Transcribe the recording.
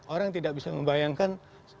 orang tidak bisa membayangkan